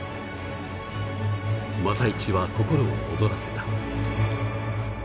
復一は心を躍らせた。